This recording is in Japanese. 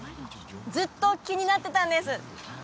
ずっと気になってたんです